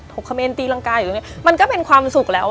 กเขมรตีรังกาอยู่ตรงนี้มันก็เป็นความสุขแล้ว